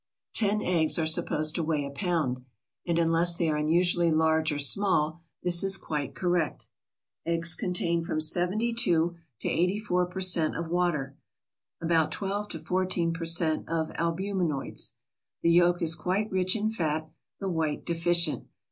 Ten eggs are supposed to weigh a pound, and, unless they are unusually large or small, this is quite correct. Eggs contain from 72 to 84 per cent. of water, about 12 to 14 per cent. of albuminoids. The yolk is quite rich in fat; the white deficient.